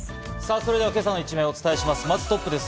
それでは今朝の一面をお伝えします。